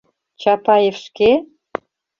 — Чапаев шке?